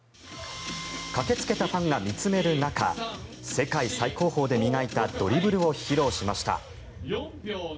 駆けつけたファンが見つめる中世界最高峰で磨いたドリブルを披露しました。